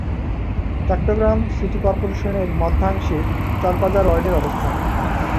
Chittagong city কর্পোরেশনের মধ্যাংশে চকবাজার ওয়ার্ডের অবস্থান।